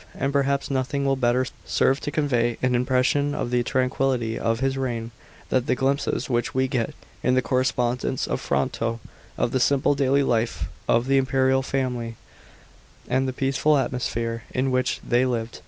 And perhaps nothing will better serve to convey an impression of the tranquillity of his reign, than the glimpses wliich we get, in the Correspondence of Fronto, of the simple daily life of the imperial family, and the peaceful atmosphere in which they lived.